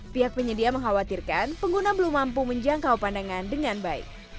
pihak penyedia mengkhawatirkan pengguna belum mampu menjangkau pandangan dengan baik